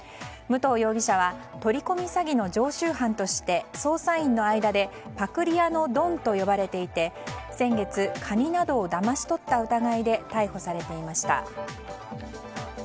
武藤容疑者は取り込み詐欺の常習犯として捜査員の間でパクリ屋のドンと呼ばれていて先月、カニなどをだまし取った疑いで逮捕されていました。